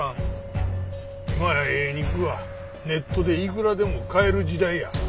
今やええ肉がネットでいくらでも買える時代や。